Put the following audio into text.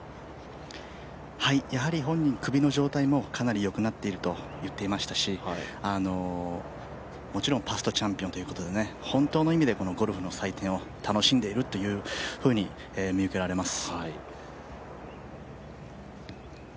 やはり本人、首の状態もかなり良くなっていると言ってましたしもちろんパストチャンピオンということで本当の意味でこのゴルフの祭典を楽しんでいるというふうに見受けられます。